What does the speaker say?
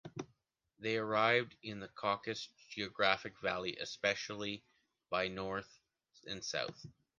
They arrived in the Cauca geographic Valley, especially by north and south.